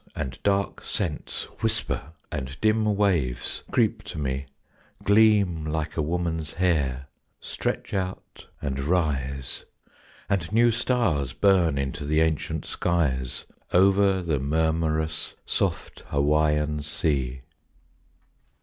And dark scents whisper; and dim waves creep to me, Gleam like a woman's hair, stretch out, and rise; And new stars burn into the ancient skies, Over the murmurous soft Hawaian sea.